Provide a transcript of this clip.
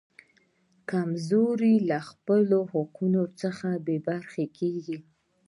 کمزورو له خپلو حقونو څخه بې برخې کیږي.